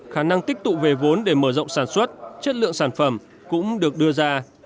khả năng tích tụ về vốn để mở rộng sản xuất chất lượng sản phẩm cũng được đưa ra